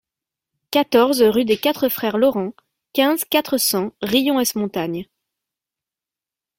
quatorze rue des Quatre Frères Laurent, quinze, quatre cents, Riom-ès-Montagnes